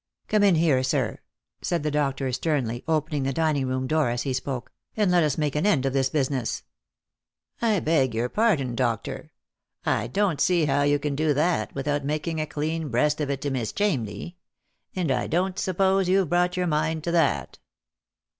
" Come in here, sir," said the doctor sternly, opening the dining room door as he spoke, " and let us make an end of this business." " I beg your pardon, doctor, I don't see how you can do that without making a clean breast of it to Miss Chamney. And I don't suppose you've brought your mind to that."